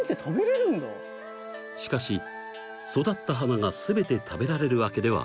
しかし育った花が全て食べられるわけではありません。